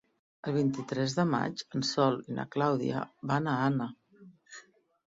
El vint-i-tres de maig en Sol i na Clàudia van a Anna.